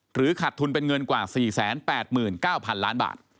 หรือขัดทุนเป็นเงินกว่า๔๘๙๐๐๐๐๐๐บาท